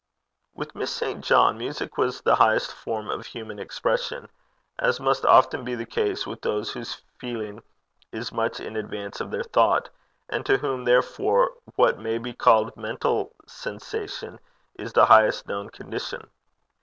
With Miss St. John, music was the highest form of human expression, as must often be the case with those whose feeling is much in advance of their thought, and to whom, therefore, may be called mental sensation is the highest known condition.